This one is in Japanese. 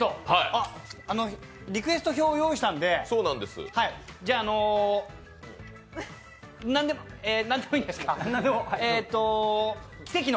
リクエスト表を用意したのでなんでもいいんですか？